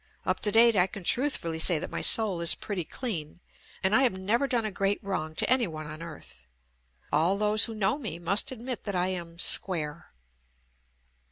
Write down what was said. Up to date I can truthfully say that my soul is pretty clean, and I have never done a great wrong to any one on earth. All those who know me must admit that I am "square."